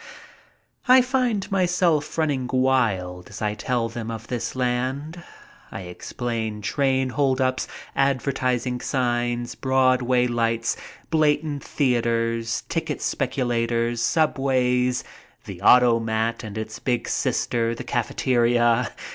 I find myself running wild as I tell them of this land. I explain train hold ups, advertising signs, Broadway lights, blatant theaters, ticket speculators, subways, the automat and its big sister, the cafeteria.